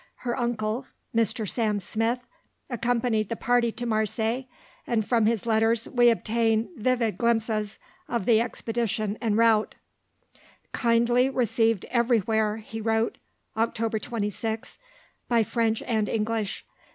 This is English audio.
Her uncle, Mr. Sam Smith, accompanied the party to Marseilles, and from his letters we obtain vivid glimpses of the expedition en route: "Kindly received everywhere," he wrote (Oct. 26), "by French and English.